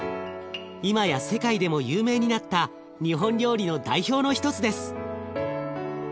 今や世界でも有名になった日本料理の代表の一つです。